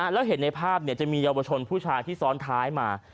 แล้วเห็นในภาพจะมีเยาวชนผู้ชายที่ซ้อนท้ายมา